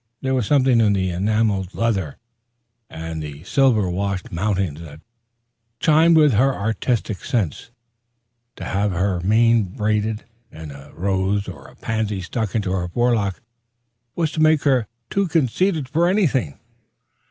There was something in the enamelled leather and the silver washed mountings that chimed with her artistic sense. To have her mane braided, and a rose or a pansy stuck into her forelock, was to make her too conceited for anything.